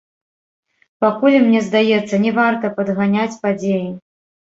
Пакуль, мне здаецца, не варта падганяць падзеі.